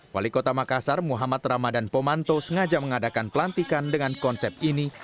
wali kota makassar muhammad ramadan pomanto sengaja mengadakan pelantikan dengan konsep ini